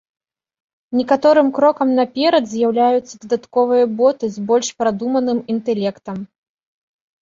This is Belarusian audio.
Некаторым крокам наперад з'яўляюцца дадатковыя боты з больш прадуманым інтэлектам.